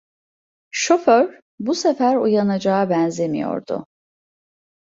Şoför bu sefer uyanacağa benzemiyordu.